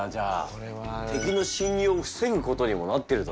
これは。敵の侵入を防ぐことにもなってるという。